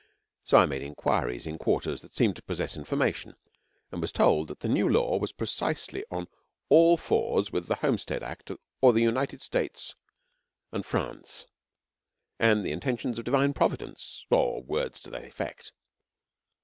So I made inquiries in quarters that seemed to possess information, and was told that the new law was precisely on all fours with the Homestead Act or the United States and France, and the intentions of Divine Providence or words to that effect.